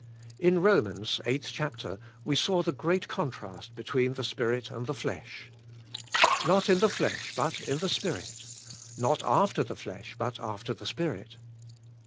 In Romans, eighth chapter, we saw the great con trast between the Spirit and the flesh. "Not in the flesh but in the Spirit," "Not after the flesh but after the Spirit."